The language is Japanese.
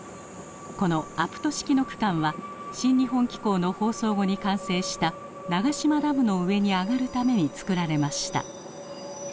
このアプト式の区間は「新日本紀行」の放送後に完成した長島ダムの上に上がるために造られました。